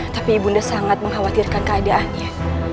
tapi ibu bunda sangat mengkhawatirkan keadaannya